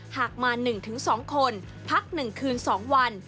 หากมา๑๒คนพัก๑คืน๒วัน